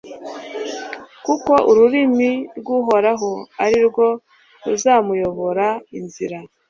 kuko urumuri rw'uhoraho ari rwo ruzamuyobora inzira